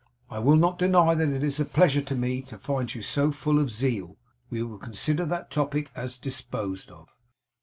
'I will not deny that it is a pleasure to me to find you so full of zeal. We will consider that topic as disposed of.